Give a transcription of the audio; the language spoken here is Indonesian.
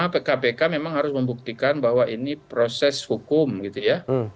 ya pertama kpk memang harus membuktikan bahwa ini proses hukum gitu ya